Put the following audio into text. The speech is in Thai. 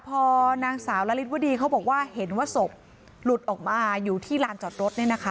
พอนางสาวละฤทธิวดีเขาบอกว่าเห็นว่าศพหลุดออกมาอยู่ที่ลานจอดรถเนี่ยนะคะ